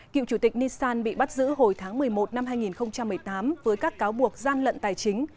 cựu chủ tịch nissan bị bắt giữ hồi tháng một mươi một năm hai nghìn một mươi tám với các cáo buộc gian lận tài chính